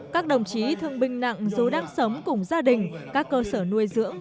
các đồng chí thương binh nặng dù đang sống cùng gia đình các cơ sở nuôi dưỡng